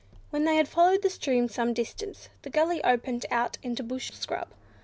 When they had followed the stream some distance, the gully opened out into bush scrub.